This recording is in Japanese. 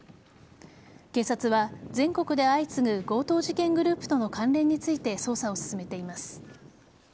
警察は全国で相次ぐ強盗事件グループとの関連について捜査を進めています。